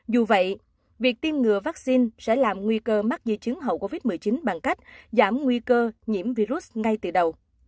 dù vậy việc tiêm ngừa vaccine sẽ làm nguy cơ mắc di chứng hậu covid một mươi chín bằng cách giảm nguy cơ nhiễm virus ngay từ đầu